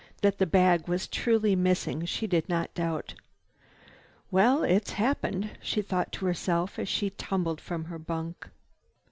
That the bag was truly missing she did not doubt. "Well, it's happened," she thought to herself as she tumbled from her bunk.